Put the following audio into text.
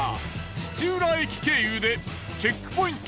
土浦行き経由でチェックポイント